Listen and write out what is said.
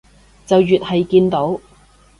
就越係見到